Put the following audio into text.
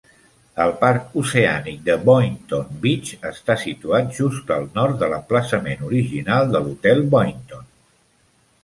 El parc oceànic de Boynton Beach està situat just a nord de l'emplaçament original de l'Hotel Boynton.